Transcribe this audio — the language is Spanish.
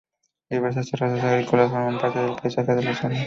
Diversas terrazas agrícolas forman parte del paisaje de la zona.